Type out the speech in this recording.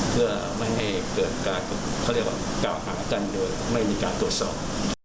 เพื่อไม่ให้เกิดการเขาเรียกว่ากล่าวหากันโดยไม่มีการตรวจสอบ